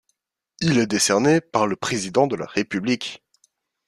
Il est décerné par le président de la République.